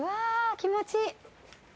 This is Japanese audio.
気持ちいい。